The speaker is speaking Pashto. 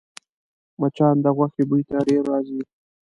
مچان د غوښې بوی ته ډېر راځي